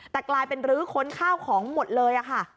แต่กลายเป็นรื้อค้นข้าวของหมดเลยค่ะ